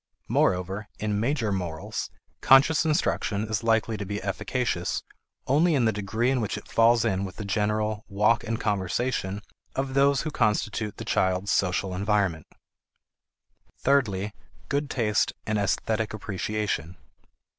Moreover, in major morals, conscious instruction is likely to be efficacious only in the degree in which it falls in with the general "walk and conversation" of those who constitute the child's social environment. Thirdly, good taste and esthetic appreciation.